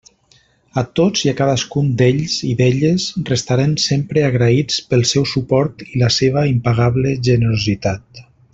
A tots i a cadascun d'ells i d'elles restarem sempre agraïts pel seu suport i la seva impagable generositat.